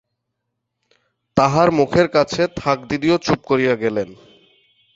তাহার মুখের কাছে থাকদিদিও চুপ করিয়া গেলেন।